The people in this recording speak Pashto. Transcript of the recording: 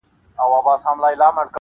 په ژړا مي شروع وکړه دې ویناته-